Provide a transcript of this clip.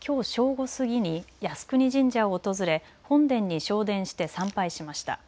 午過ぎに靖国神社を訪れ本殿に昇殿して参拝しました。